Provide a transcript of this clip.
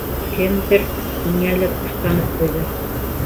Кемдер ниңәлер уфтанып ҡуйҙы.